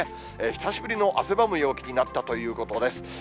久しぶりの汗ばむ陽気になったということです。